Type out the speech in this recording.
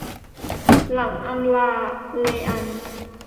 หลังอำลา เรอัล